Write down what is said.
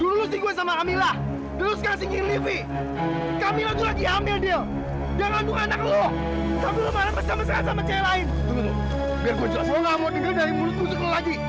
lu gak mau denger dari mulut musuh lu lagi